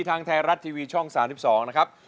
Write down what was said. ทางไทยรัฐทีวีช่อง๓๒นะครับ